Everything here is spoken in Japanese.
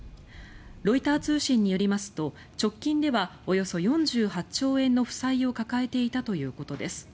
ロイター通信によりますと直近ではおよそ４８兆円の負債を抱えていたということです。